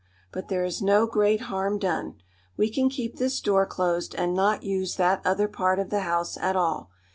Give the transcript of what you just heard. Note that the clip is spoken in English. But there is no great harm done. We can keep this door closed and not use that other part of the house at all.